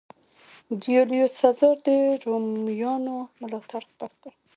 جیولیوس سزار د رومیانو ملاتړ خپل کړ.